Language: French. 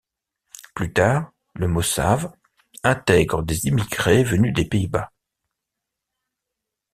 Plus tard, le moshav intègre des immigrés venus des Pays-Bas.